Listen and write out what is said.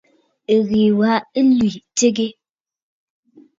Ɨ́ɣèè wā ɨ́ í tʃégə́.